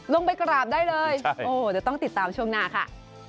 ลงไปกราบได้เลยโอ้เดี๋ยวต้องติดตามช่วงหน้าค่ะ